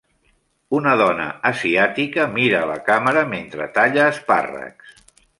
Una dona asiàtica mira a la càmera mentre talla espàrrecs.